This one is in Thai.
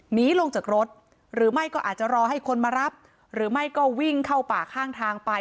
หนีลงจากรถหรือไม่ก็อาจจะรอให้คนมารับหรือไม่ก็วิ่งเข้าป่าข้างทางไป